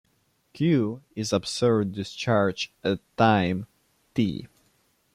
"Q" is observed discharge at time "t".